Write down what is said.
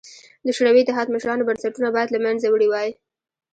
د شوروي اتحاد مشرانو بنسټونه باید له منځه وړي وای